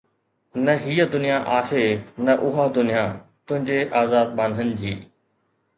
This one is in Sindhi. نه هيءَ دنيا آهي نه اها دنيا تنهنجي آزاد ٻانهن جي